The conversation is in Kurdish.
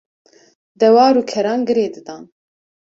dewar û keran girêdidan.